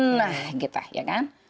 nah gitu ya kan